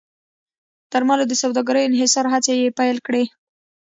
درملو د سوداګرۍ انحصار هڅې یې پیل کړې.